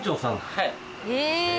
はい。